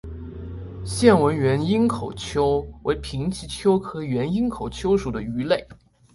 线纹原缨口鳅为平鳍鳅科原缨口鳅属的鱼类。